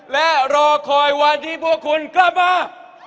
และรอคอยวันที่พวกคุณกลับมา